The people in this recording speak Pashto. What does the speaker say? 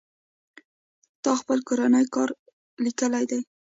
تا خپل کورنۍ کار ليکلى دئ.